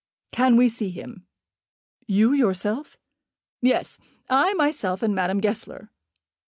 Can we see him?" "You, yourself?" "Yes; I myself, and Madame Goesler.